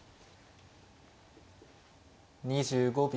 ２５秒。